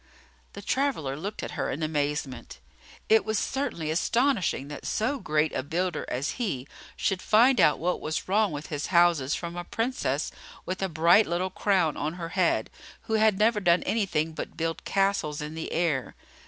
The traveller looked at her in amazement. It was certainly astonishing that so great a builder as he should find out what was wrong with his houses, from a Princess with a bright little crown on her head who had never done anything but build castles in the air.